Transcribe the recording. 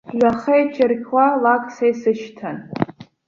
Жәаха ичарқьуа лак са исышьҭан.